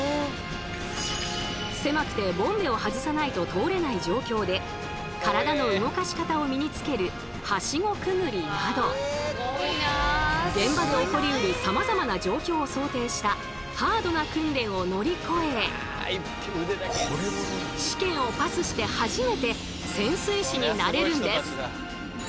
狭くてボンベを外さないと通れない状況で体の動かし方を身につける現場で起こりうるさまざまな状況を想定したハードな訓練を乗り越え試験をパスして初めて潜水士になれるんです。